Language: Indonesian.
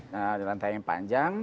nah rantai yang panjang